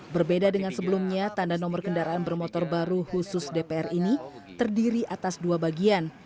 berbeda dengan sebelumnya tanda nomor kendaraan bermotor baru khusus dpr ini terdiri atas dua bagian